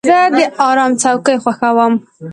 زه د آرام څوکۍ خوښوم.